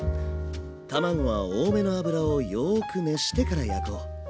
卵は多めの油をよく熱してから焼こう。